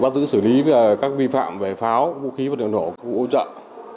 phát giác tội phạm phát giác tội phạm vũ khí vật liệu nổ trên địa bàn